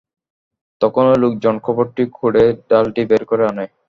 তখনই লোকজন কবরটি খুঁড়ে ডালটি বের করে আনে।